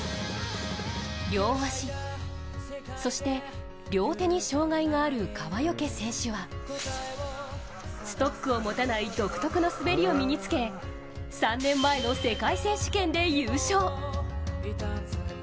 両足、そして両手に障がいがある川除選手はストックを持たない独特の走りを身に付け３年前の世界選手権で優勝。